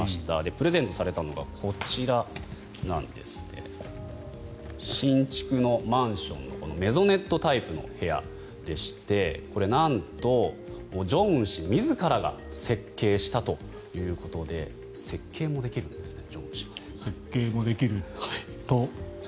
プレゼントされたのがこちらなんですが新築のマンションのメゾネットタイプの部屋でしてこれはなんと正恩氏自らが設計したということで設計もできるんですね